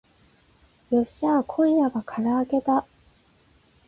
よっしゃー今夜は唐揚げだ